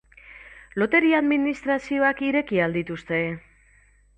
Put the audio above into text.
Loteria-administrazioak ireki ahal dituzte?